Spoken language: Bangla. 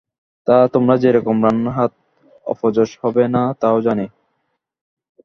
তা, তোমার যেরকম রান্নার হাত, অপযশ হইবে না তা জানি।